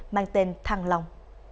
mang tên thăng long